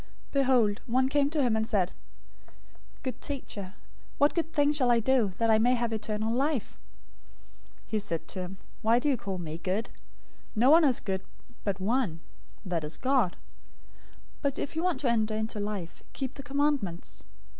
019:016 Behold, one came to him and said, "Good teacher, what good thing shall I do, that I may have eternal life?" 019:017 He said to him, "Why do you call me good? No one is good but one, that is, God. But if you want to enter into life, keep the commandments."